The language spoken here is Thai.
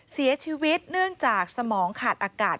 เสียชีวิตเนื่องจากสมองขาดอากาศ